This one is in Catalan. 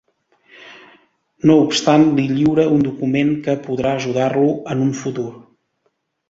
No obstant li lliura un document que podrà ajudar-lo en un futur.